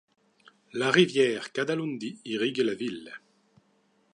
La rivière Kadalundi irrigue la ville.